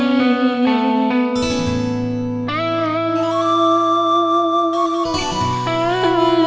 มนุษย์